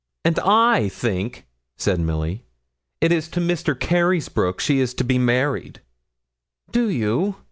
'And I think,' said Milly, 'it is to Mr. Carysbroke she's to be married.' 'Do you?'